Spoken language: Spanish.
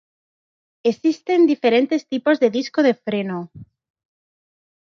Existen diferentes tipos de discos de freno.